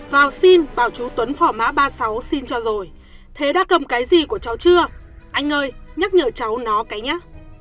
vào xin bảo chú tuấn phỏ má ba mươi sáu xin cho rồi thế đã cầm cái gì của cháu chưa anh ơi nhắc nhở cháu nó cái nhá